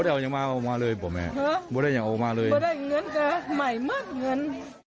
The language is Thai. เอาออกมาเลยไม่ได้เงินเงินใหม่มากเงิน